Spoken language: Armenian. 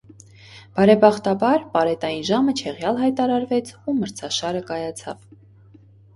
Բարեբախտաբար, պարետային ժամը չեղյալ հայտարարվեց, ու մրցաշարը կայացավ։